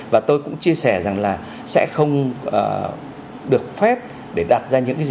và tôi cũng chia sẻ rằng là sẽ không được phép để đặt ra những cái gì